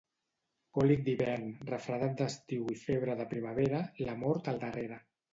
Còlic d'hivern, refredat d'estiu i febre de primavera, la mort al darrere.